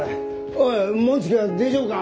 おい紋付きは大丈夫か？